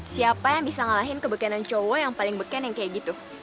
siapa yang bisa ngalahin ke bekenan cowok yang paling beken yang kayak gitu